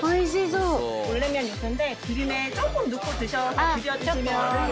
うん！